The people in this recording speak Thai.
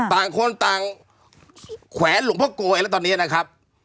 ต่างคนต่างแขวนหลวงพ่อโกยแล้วตอนนี้นะครับ